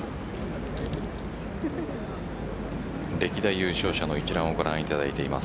歴代優勝者の一覧をご覧いただいています。